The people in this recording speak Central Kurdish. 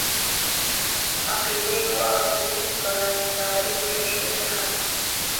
عەقیدەی وا بوو مارەی پێشووی نەهاتووە